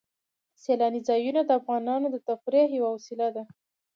سیلاني ځایونه د افغانانو د تفریح یوه وسیله ده.